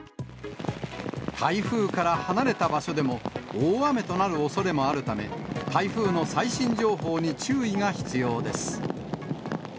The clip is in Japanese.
台風から離れた場所でも、大雨となるおそれもあるため、台風の最新情報に注意が必要です。